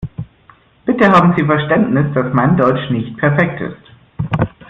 Bitte haben Sie Verständnis, dass mein Deutsch nicht perfekt ist.